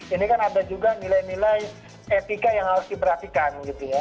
ini kan ada juga nilai nilai etika yang harus diperhatikan gitu ya